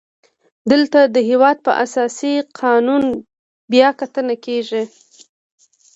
دلته د هیواد په اساسي قانون بیا کتنه کیږي.